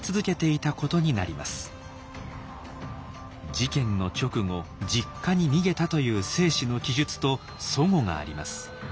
「事件の直後実家に逃げた」という正史の記述と齟齬があります。